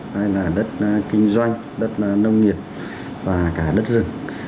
hay là đất kinh doanh đất nông nghiệp và cả đất rừng